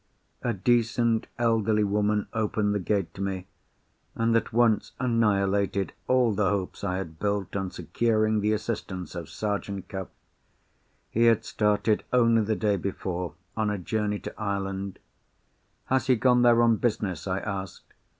A decent elderly woman opened the gate to me, and at once annihilated all the hopes I had built on securing the assistance of Sergeant Cuff. He had started, only the day before, on a journey to Ireland. "Has he gone there on business?" I asked.